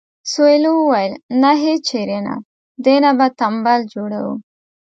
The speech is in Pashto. سویلو وویل نه هیچېرې نه دې نه به تمبل جوړوو.